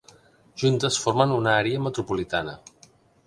Juntes formen una àrea metropolitana.